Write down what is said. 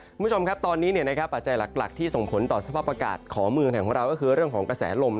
คุณผู้ชมครับตอนนี้ปัจจัยหลักที่ส่งผลต่อสภาพอากาศของเมืองไทยของเราก็คือเรื่องของกระแสลม